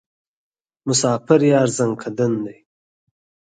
مسافر یار ځانکدن دی.